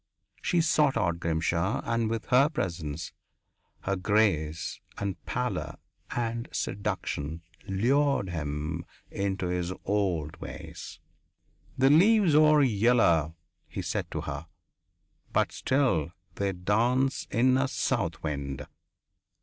She sought out Grimshaw and with her presence, her grace and pallor and seduction, lured him into his old ways. "The leaves are yellow," he said to her, "but still they dance in a south wind.